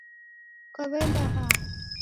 Kwaw'eenda hao